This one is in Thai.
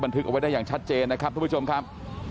ทึกเอาไว้ได้อย่างชัดเจนนะครับทุกผู้ชมครับ